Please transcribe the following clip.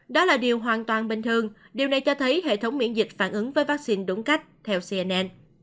đó là điều hoàn toàn bình thường điều này cho thấy hệ thống miễn dịch phản ứng với vaccine đúng cách theo cnn